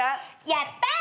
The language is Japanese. やったー！